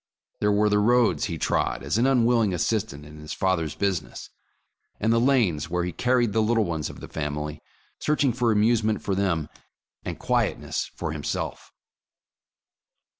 There were the roads he trod as an unwilling as sistant in his father's business, and the lanes where he carried the little ones of the family, searching for amusement for them, and quietness for himself.